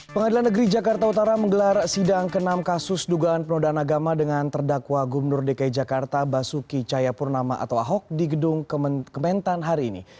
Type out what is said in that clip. pengadilan negeri jakarta utara menggelar sidang ke enam kasus dugaan penodaan agama dengan terdakwa gubernur dki jakarta basuki cayapurnama atau ahok di gedung kementan hari ini